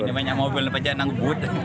ini banyak mobil ngepet jalan ngebut